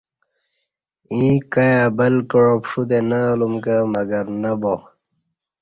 ییں کائی ابل کعا پݜوتے نہ الُم کہ مگر نہ با